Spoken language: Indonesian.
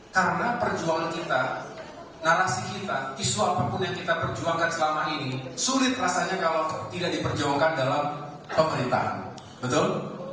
karena perjuangan kita narasi kita isu apapun yang kita perjuangkan selama ini sulit rasanya kalau tidak diperjuangkan dalam pemerintahan betul